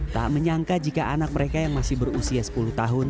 tak menyangka jika anak mereka yang masih berusia sepuluh tahun